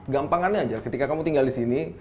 gampangannya aja ketika kamu tinggal di sini